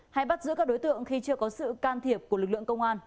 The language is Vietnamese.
hay bắt giữ các đối tượng khi chưa có sự can thiệp của lực lượng công an